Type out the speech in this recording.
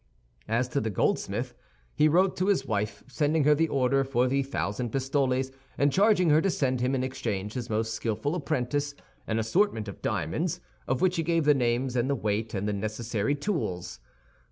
As to the goldsmith, he wrote to his wife, sending her the order for the thousand pistoles, and charging her to send him, in exchange, his most skillful apprentice, an assortment of diamonds, of which he gave the names and the weight, and the necessary tools.